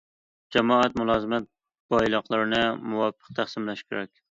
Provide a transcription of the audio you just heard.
جامائەت مۇلازىمەت بايلىقلىرىنى مۇۋاپىق تەقسىملەش كېرەك.